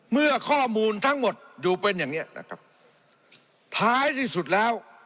ข้อมูลทั้งหมดอยู่เป็นอย่างเนี้ยนะครับท้ายที่สุดแล้ว